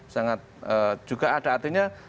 sangat juga ada artinya